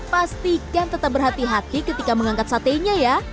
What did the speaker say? pastikan tetap berhati hati ketika mengangkat satenya ya